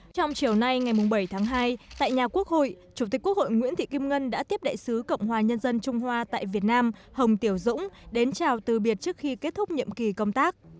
trong chiều nay ngày bảy tháng hai tại nhà quốc hội chủ tịch quốc hội nguyễn thị kim ngân đã tiếp đại sứ cộng hòa nhân dân trung hoa tại việt nam hồng tiểu dũng đến chào từ biệt trước khi kết thúc nhiệm kỳ công tác